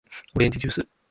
おれんじじゅーす